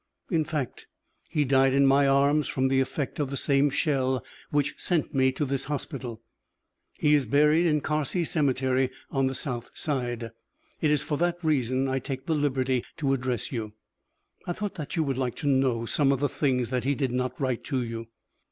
"In fact, he died in my arms from the effect of the same shell which sent me to this hospital. He is buried in Carcy cemetery, on the south side. It is for that reason I take the liberty to address you. "I thought that you would like to know some of the things that he did not write to you.